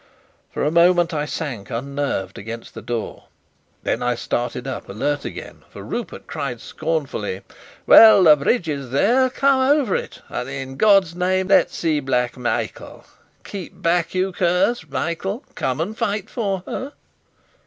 For a moment, I sank, unnerved, against the door. Then I started up alert again, for Rupert cried scornfully: "Well, the bridge is there! Come over it! And in God's name, let's see Black Michael. Keep back, you curs! Michael, come and fight for her!"